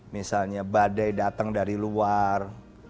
misalnya badai datang dari luar